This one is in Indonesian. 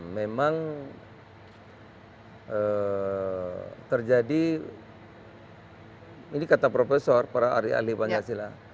memang terjadi ini kata profesor para ahli ahli pancasila